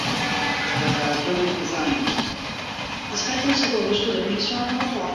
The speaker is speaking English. He was not allowed to touch his head with his fingers.